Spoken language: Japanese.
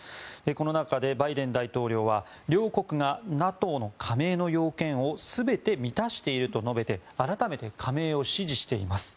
この中でバイデン大統領は両国がＮＡＴＯの加盟の要件を全て満たしていると述べて改めて加盟を支持しています。